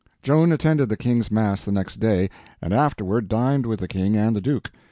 Joan attended the King's mass the next day, and afterward dined with the King and the Duke.